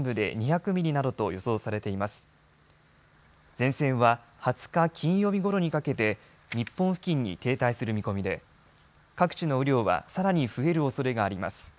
前線は２０日金曜日ごろにかけて日本付近に停滞する見込みで各地の雨量はさらに増えるおそれがあります。